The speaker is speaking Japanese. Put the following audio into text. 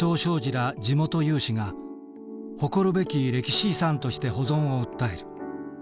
ら地元有志が誇るべき歴史遺産として保存を訴える。